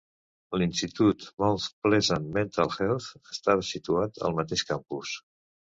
L'Institut Mount Pleasant Mental Health estava situat al mateix campus.